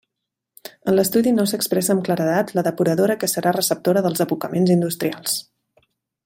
En l'estudi no s'expressa amb claredat la depuradora que serà receptora dels abocaments industrials.